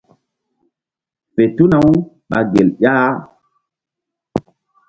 Fe tuna-u ɓa gel ƴah.